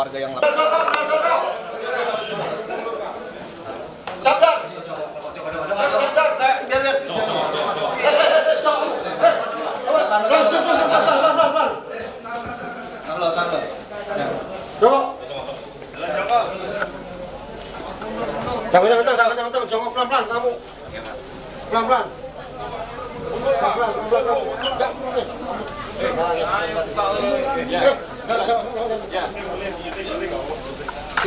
jangan jauh jauh lagi